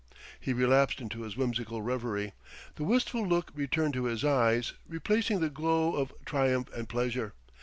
He relapsed into his whimsical reverie; the wistful look returned to his eyes, replacing the glow of triumph and pleasure.